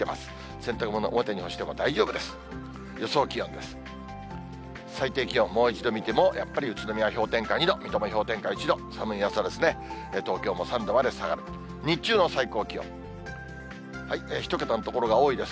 洗濯物、表に干しても大丈夫です。